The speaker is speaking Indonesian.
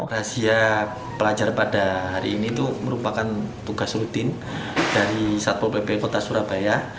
rahasia pelajar pada hari ini itu merupakan tugas rutin dari satpol pp kota surabaya